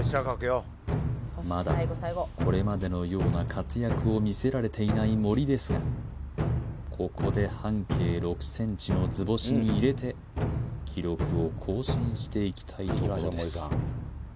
まだこれまでのような活躍を見せられていない森ですがここで半径６ｃｍの図星に入れて記録を更新していきたいところです